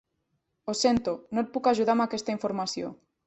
Ho sento, no et puc ajudar amb aquesta informació.